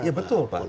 ya betul pak